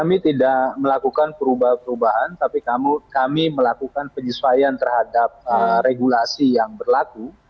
kami tidak melakukan perubahan perubahan tapi kami melakukan penyesuaian terhadap regulasi yang berlaku